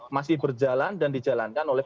masih berjalan dan dijalankan oleh